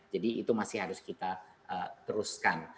jadi itu masih harus kita teruskan